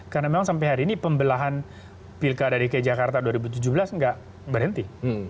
karena memang sampai hari ini pembelahan pilkara dari kjakarta dua ribu tujuh belas gak berhenti